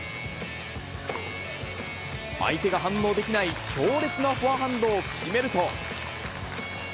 相手が反応できない強烈なフォアハンドを決めると。